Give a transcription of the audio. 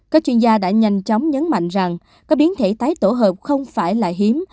các chuyên gia đã nhanh chóng nhấn mạnh rằng các biến thể tái tổ hợp không phải là hiếm